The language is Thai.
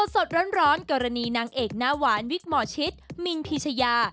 สดร้อนกรณีนางเอกหน้าหวานวิกหมอชิตมินพีชยา